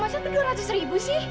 mas apa dua ratus ribu sih